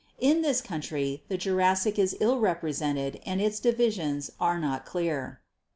In this country the Jurassic is ill represented and its divisions are not clear.